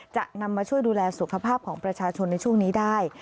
จะนำมาช่วยดูแลสุขภาพของประชาชนในช่วงนี้ได้